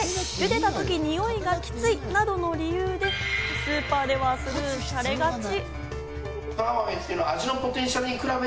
茹でた時、においがキツいなどの理由でスーパーではスルーされがち。